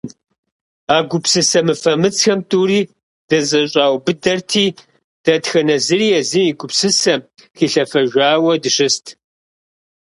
А гупсысэ мыфэмыцхэм тӀури дызэщӀаубыдэрти, дэтхэнэ зыри езым и гупсысэм хилъэфэжауэ дыщыст.